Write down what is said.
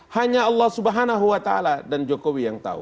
hanya allah swt dan jokowi yang tahu